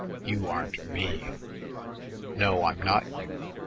"You aren't me." "No, I'm not you.